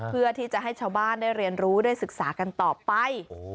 เพื่อที่จะให้ชาวบ้านได้เรียนรู้ได้ศึกษากันต่อไป